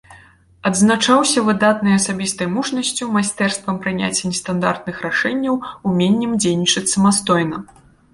Адзначаўся выдатнай асабістай мужнасцю, майстэрствам прыняцця нестандартных рашэнняў, уменнем дзейнічаць самастойна.